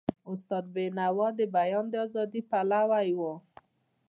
استاد بینوا د بیان د ازادی پلوی و.